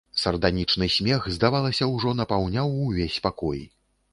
Сарданічны смех, здавалася, ужо напаўняў увесь пакой.